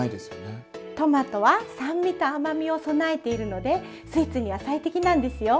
トマトは酸味と甘みを備えているのでスイーツには最適なんですよ。